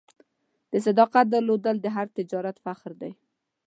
د صداقت درلودل د هر تجارت فخر دی.